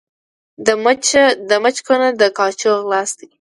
د مچ کونه ، د کاچوغي لاستى.